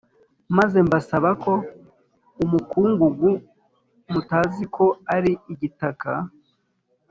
Maze mbasaba ko umukungugu mutaziko ari igitaka